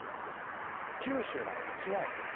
九州なのか、畿内なのか。